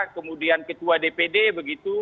kemudian ketua dpd begitu